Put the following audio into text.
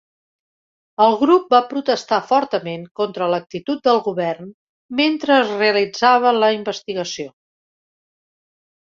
El grup va protestar fortament contra l"actitud del Govern mentre es realitzava la investigació.